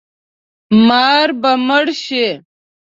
مار به مړ شي